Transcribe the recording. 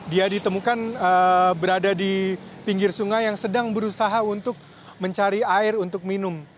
dia ditemukan berada di pinggir sungai yang sedang berusaha untuk mencari air untuk minum